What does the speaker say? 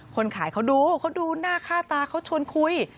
คนขายเขาดูเขาดูหน้าค่าตาเขาชวนคุย